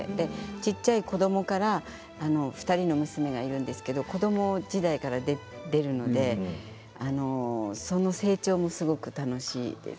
小っちゃい子どもから２人の娘がいるんですけど子ども時代から出るのでその成長もすごく楽しいです。